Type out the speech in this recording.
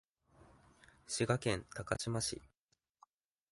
滋賀県高島市